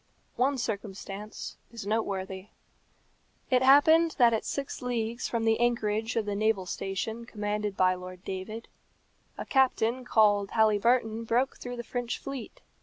One circumstance is noteworthy. It happened that at six leagues from the anchorage of the naval station commanded by Lord David, a captain called Halyburton broke through the French fleet.